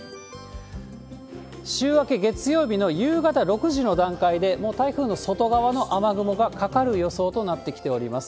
週明け月曜日の夕方６時の段階で、もう台風の外側の雨雲がかかる予想となってきております。